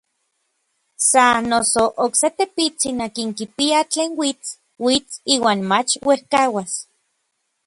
Sa noso, okse tepitsin akin kipia tlen uits, uits iuan mach uejkauas.